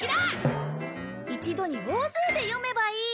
一度に大勢で読めばいい。